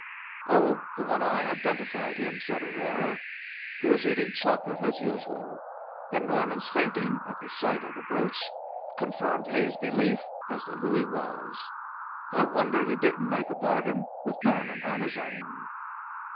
"Oh, the one eye identified him," said Aurora, who was eating chocolate as usual, "and Norman's fainting at the sight of the brooch confirmed Hay's belief as to who he was. I wonder he didn't make a bargain with Norman on his own."